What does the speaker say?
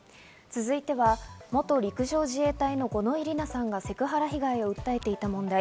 続いては元陸上自衛隊の五ノ井里奈さんがセクハラ被害を訴えていた問題。